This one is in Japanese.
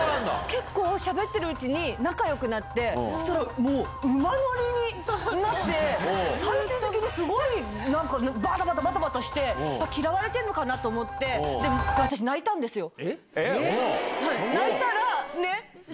結構しゃべってるうちに仲よくなって、もう馬乗りになって、最終的にすごいなんか、ばたばたして、嫌われてるのかなと思って、で、私泣いたんですよ。